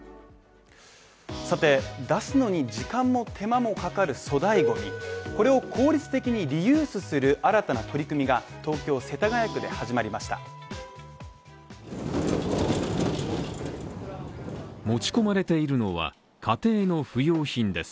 さて、出すのに時間も手間もかかる粗大ゴミこれを効率的にリユースする新たな取り組みが、東京世田谷区で始まりました持ち込まれているのは、家庭の不要品です。